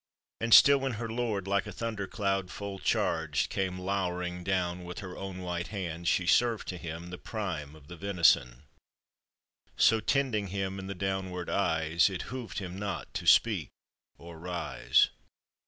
And still when her lord, like a thunder cloud Full charged, came louring down, With her own white hand sl.e served to him The prime of the venison ; So tending him in the downward eyes, It 'hoved him not to speak or rise.